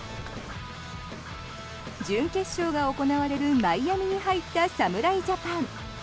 準決勝が行われるマイアミに入った侍ジャパン。